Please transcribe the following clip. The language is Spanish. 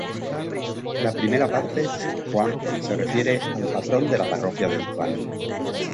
La primera parte, San Juan, se refiere al patrón de la parroquia del lugar.